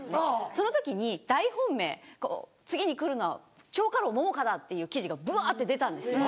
その時に大本命次に来るのは蝶花楼桃花だっていう記事がぶわって出たんです。